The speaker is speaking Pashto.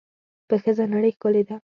په ښځه نړۍ ښکلې ده.